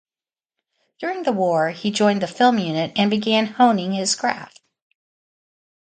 During the war he joined the film unit and began honing his craft.